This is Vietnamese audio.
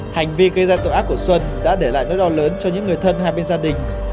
hành vi gây ra tội ác của xuân đã để lại nỗi đau lớn cho những người thân hai bên gia đình